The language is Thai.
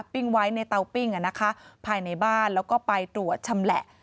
ปิ้งไว้ในเตาปิ้งภายในบ้านแล้วก็ไปตรวจชำแหละ